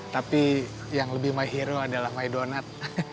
tapi yang lebih my hero adalah my donut